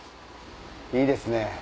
いいですね！